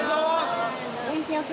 元気よく！